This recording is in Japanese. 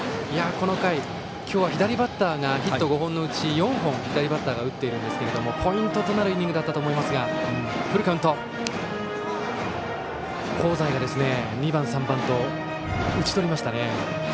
この回、今日は左バッターがヒット５本のうち４本打っているんですけれどもポイントとなるイニングだったと思いますが香西が２番、３番と打ち取りましたね。